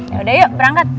yaudah yuk berangkat